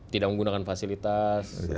tidak menggunakan fasilitas